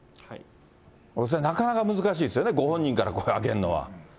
なかなか難しいですよね、ご本人から声上げるのは。